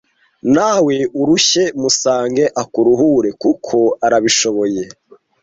nawe urushye musange akuruhure kuko arabishoboye